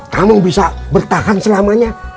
kamu bisa bertahan selamanya